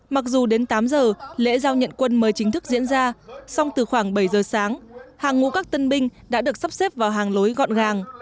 mặc dù đến tám giờ lễ giao nhận quân mới chính thức diễn ra song từ khoảng bảy giờ sáng hàng ngũ các tân binh đã được sắp xếp vào hàng lối gọn gàng